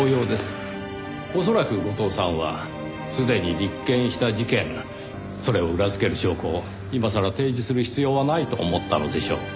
恐らく後藤さんはすでに立件した事件それを裏付ける証拠を今さら提示する必要はないと思ったのでしょう。